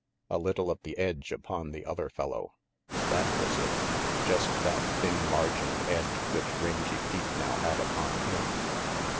A little of the edge upon the other fellow. That was it just that thin margin of edge which Rangy Pete now had upon him.